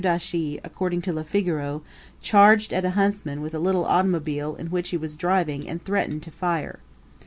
Dauchis, according to Le Figaro, charged at a huntsman with a little automobile in which he was driving and threatened to fire.